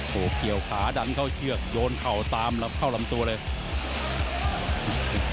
โอ้โหเกี่ยวขาดันเข้าเชือกโยนเข่าตามเข้าลำตัวเลย